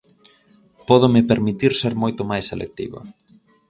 Pódome permitir ser moito máis selectiva.